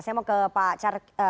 saya mau ke pak charles